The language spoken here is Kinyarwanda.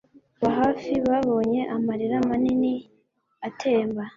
bene wabo ba hafi babonye amarira manini atemba